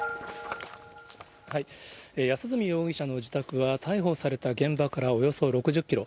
安栖容疑者の自宅は、逮捕された現場からおよそ６０キロ。